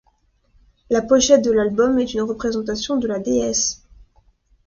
La pochette de l'album est une représentation de la déesse.